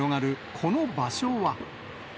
この場所は。